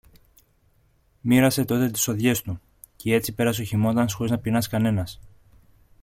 Μοίρασε τότε τις σοδειές του, κι έτσι πέρασε ο χειμώνας χωρίς να πεινάσει κανένας.